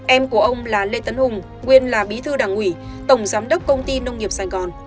em của ông là lê tấn hùng nguyên là bí thư đảng ủy tổng giám đốc công ty nông nghiệp sài gòn